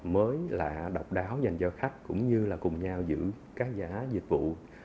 mới là độc đáo dành cho khách cũng như là cùng nhau giữ các giá dịch vụ